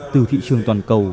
từ thị trường toàn cầu